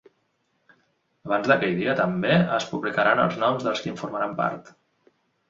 Abans d’aquell dia, també, es publicaran els noms dels qui en formaran part.